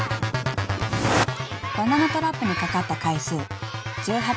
［バナナトラップに掛かった回数１８回］